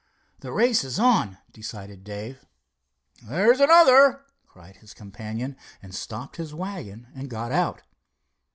"The race is on," decided Dave. "There's another!" cried his companion, and stopped his wagon and got out.